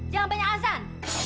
jangan banyak alasan